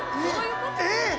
えっ！